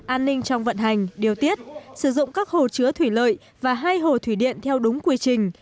an ninh trong vận hành điều tiết sử dụng các hồ chứa thủy lợi và hai hồ thủy điện theo đúng quy trình